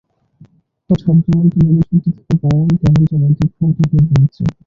হঠাৎ দুরন্ত বেগে ছুটতে থাকা বায়ার্ন কেমন যেন দিকভ্রান্ত হয়ে পড়েছে।